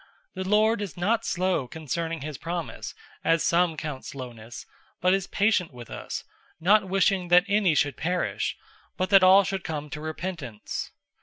003:009 The Lord is not slow concerning his promise, as some count slowness; but is patient with us, not wishing that any should perish, but that all should come to repentance.